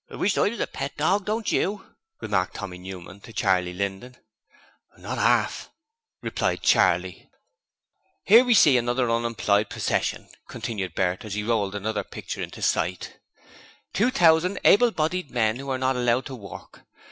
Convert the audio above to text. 'I wished I was a pet dog, don't you?' remarked Tommy Newman to Charley Linden. 'Not arf!' replied Charley. 'Here we see another unemployed procession,' continued Bert as he rolled another picture into sight; '2,000 able bodied men who are not allowed to work.